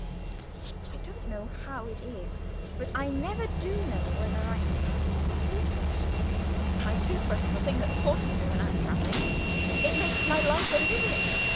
I don't know how it is, but I never do know whether I've packed my tooth brush. My tooth brush is a thing that haunts me when I'm travelling, and makes my life a misery.